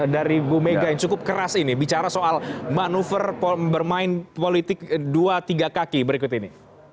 dari bu mega yang cukup keras ini bicara soal manuver bermain politik dua tiga kaki berikut ini